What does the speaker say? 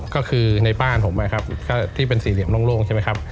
ก็คือในบ้านผมที่เป็นสี่เหลี่ยมโล่ง